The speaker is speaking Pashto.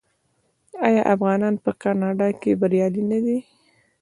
آیا افغانان په کاناډا کې بریالي نه دي؟